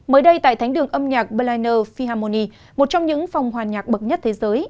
mới đây tại thánh đường âm nhạc berliner philharmonie một trong những phòng hoàn nhạc bậc nhất thế giới